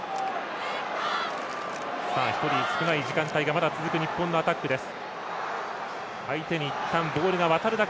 １人少ない時間帯がまだ続く日本のアタックです。